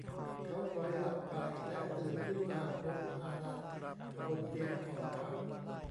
เขาผล็อยหลับไปและตื่นขึ้นมาพบฮานันบนเตียงของเขา